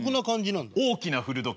「大きな古時計」ね。